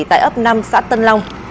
tại ấp năm xã tân long